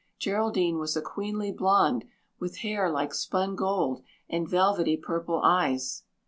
Geraldine was a queenly blonde with hair like spun gold and velvety purple eyes."